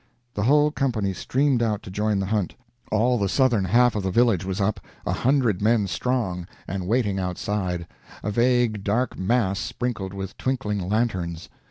The whole company streamed out to join the hunt. All the southern half of the village was up, a hundred men strong, and waiting outside, a vague dark mass sprinkled with twinkling lanterns.